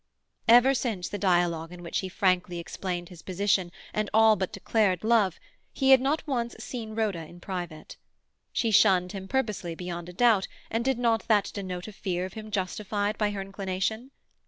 Ever since the dialogue in which he frankly explained his position, and all but declared love, he had not once seen Rhoda in private. She shunned him purposely beyond a doubt, and did not that denote a fear of him justified by her inclination?